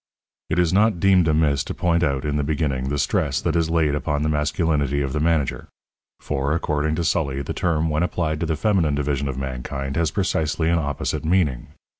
It is not deemed amiss to point out, in the beginning, the stress that is laid upon the masculinity of the manager. For, according to Sully, the term when applied to the feminine division of mankind has precisely an opposite meaning.